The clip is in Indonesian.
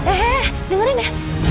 eh eh dengerin ya